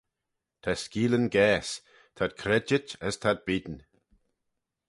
Ta skeealyn gaase, t'ad credjit as t'ad beayn.